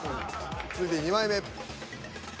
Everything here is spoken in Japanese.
続いて２枚目。